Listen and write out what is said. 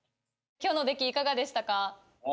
今日の出来いかがでしたか？